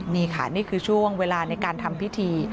นี่ค่ะนี่คือช่วงเวลาในการทำพิธี